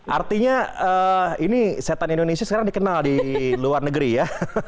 artinya ini setan indonesia sekarang dikenal di luar negeri ya